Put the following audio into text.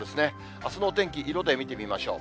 あすのお天気、色で見てみましょう。